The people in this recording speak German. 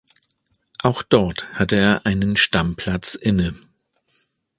Auch dort hatte er einen Stammplatz inne.